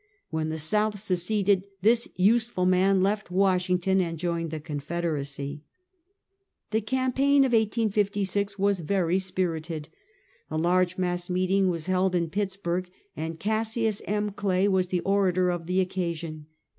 When the South seceded, this useful man left AVashington and joined the Con federacy. The campaign of 1856 was very spirited. A large mass meeting was held in Pittsburg, and Cassius M. Clay was the orator of the occasion.